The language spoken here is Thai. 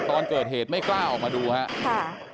ตอนเกิดเหตุไม่กล้าออกมาดูครับ